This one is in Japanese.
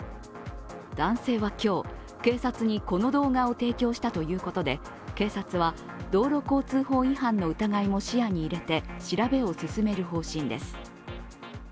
男性は今日、警察にこの動画を提供したということで警察は、道路交通法違反の疑いも視野に入れて調べを進める方針です。